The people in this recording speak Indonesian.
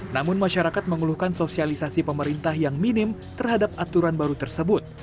namun masyarakat mengeluhkan sosialisasi pemerintah yang minim terhadap aturan baru tersebut